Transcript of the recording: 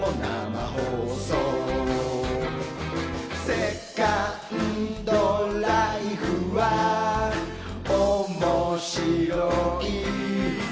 「セカンドライフはおもしろい」